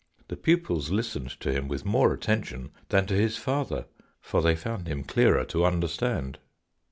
The pupils listened to him with more attention than to his father for they found him clearer to understand.